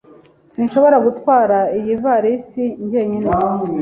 Sinshobora gutwara iyi ivalisi jyenyine.